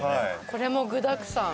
これも具だくさん。